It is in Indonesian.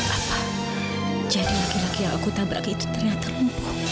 apa jadi laki laki yang aku tabrak itu ternyata engkau